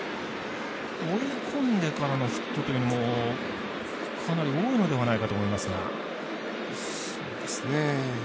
追い込んでからのヒットというのもかなり多いのではないかと思いますが。